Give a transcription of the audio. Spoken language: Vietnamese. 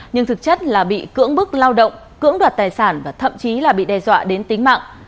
nhưng thực chất là bị cưỡng bức lao động cưỡng đoạt tài sản và thậm chí là bị đe dọa đến tính mạng